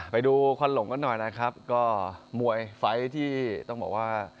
ไปดูควันหลงกันหน่อยนะครับก็มวยไฟล์ที่ต้องบอกว่า